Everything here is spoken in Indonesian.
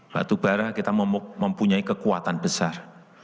batu bara kita mempunyai kekuatan besar